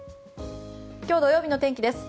今日、土曜日の天気です。